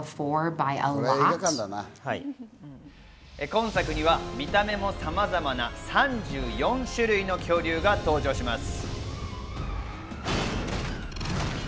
今作には見た目もさまざまな３４種類の恐竜が登場します。